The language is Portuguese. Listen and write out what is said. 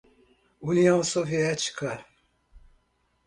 União Soviética